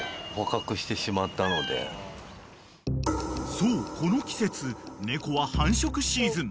［そうこの季節猫は繁殖シーズン］